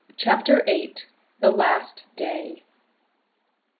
CHAPTER VIII. THE LAST DAY.